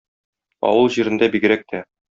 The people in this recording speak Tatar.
Авыл җирендә бигрәк тә.